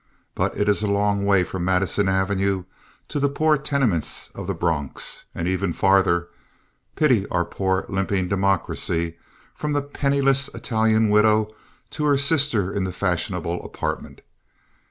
But it is a long way from Madison Avenue to the poor tenements of the Bronx, and even farther pity our poor limping democracy! from the penniless Italian widow to her sister in the fashionable apartment.